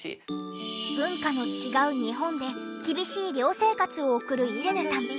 文化の違う日本で厳しい寮生活を送るイレネさん。